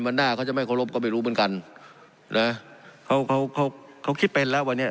หน้าเขาจะไม่เคารพก็ไม่รู้เหมือนกันนะเขาเขาเขาคิดเป็นแล้ววันนี้